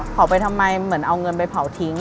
เอาไปทำไมเหมือนเอาเงินไปเผาทิ้ง